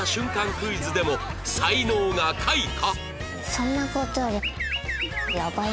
クイズでも才能が開花！？